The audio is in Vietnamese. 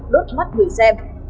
đốt mắt người xem